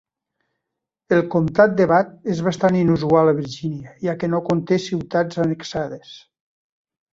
El comtat de Bath és bastant inusual a Virgínia, ja que no conté ciutats annexades.